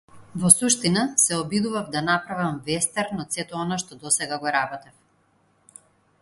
Во суштина, се обидував да направам вестерн од сето она што досега го работев.